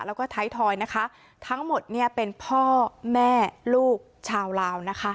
แล้วก็ท้ายทอยนะคะทั้งหมดเนี่ยเป็นพ่อแม่ลูกชาวลาวนะคะ